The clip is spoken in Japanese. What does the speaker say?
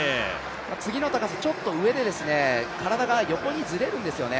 次の高さ、ちょっと上で体が横にずれるんですよね。